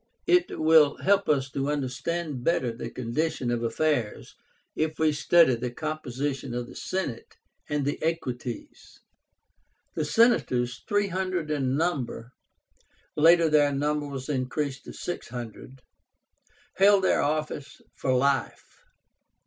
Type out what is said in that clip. It will help us to understand better the condition of affairs, if we study the composition of the Senate and the Equites. The Senators, three hundred in number (later their number was increased to six hundred), held their office for life.